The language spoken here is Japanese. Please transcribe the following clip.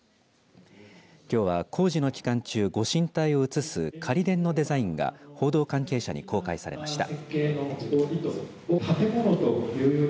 きょうは工事の期間中ご神体を移す仮殿のデザインが報道関係者に公開されました。